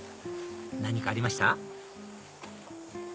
何かありました？